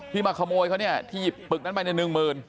มาขโมยเขาเนี่ยที่หยิบปึกนั้นไปในหนึ่งหมื่น